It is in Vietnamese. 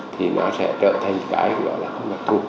thì nó sẽ trở thành cái gọi là không đặc thù